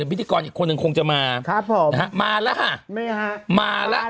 พิธีกรอีกคนนึงคงจะมาครับผมนะฮะมาแล้วค่ะมาแล้ว